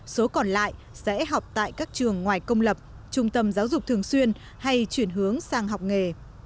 số còn lại sẽ học tại các trường ngoài công lập trung tâm giáo dục thường xuyên hay chuyển hướng sang học nghề